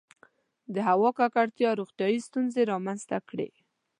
• د هوا ککړتیا روغتیایي ستونزې رامنځته کړې.